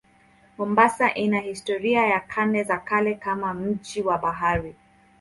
Mombasa ina historia ya karne za kale kama mji wa bandari.